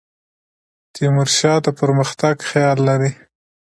تیمور شاه د پرمختګ خیال لري.